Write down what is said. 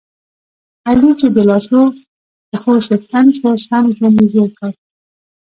علي چې د لاسو پښو څښتن شو، سم ژوند یې جوړ کړ.